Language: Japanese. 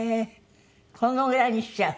このぐらいにしちゃう？